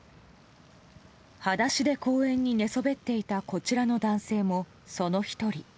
裸足で公園に寝そべっていたこちらの男性もその１人。